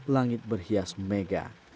langit berhias mega